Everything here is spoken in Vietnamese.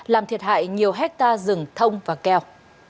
làm thiệt hại nhiều hectare rừng thông và keo